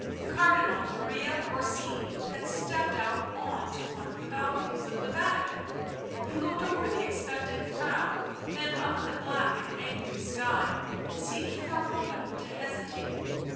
Cardinal Maria Orsini had stepped out on to one of the balconies of the Vatican; he looked over the expectant crowd, then up at the black and angry sky, and seemed for a moment to hesitate.